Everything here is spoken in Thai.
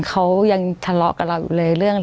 เขายังทะเลาะกับเราอยู่เลย